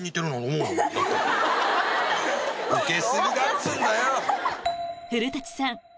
ウケ過ぎだっつうんだよ！